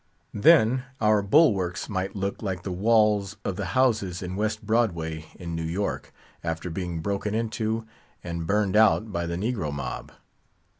Then our bulwarks might look like the walls of the houses in West Broadway in New York, after being broken into and burned out by the Negro Mob.